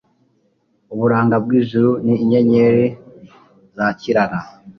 uburanga bw'ijuru, ni inyenyeri zakirana